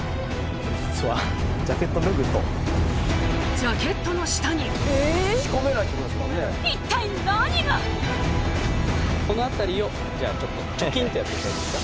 ジャケットの下にこの辺りをじゃあちょっとチョキンとやっていただいていいですか？